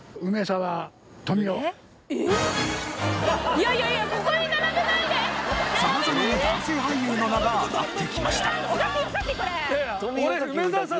様々な男性俳優の名が挙がってきました。